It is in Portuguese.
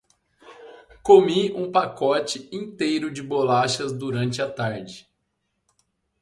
Comi um pacote inteiro de bolachas durante a tarde.